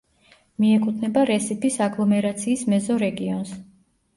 მიეკუთვნება რესიფის აგლომერაციის მეზორეგიონს.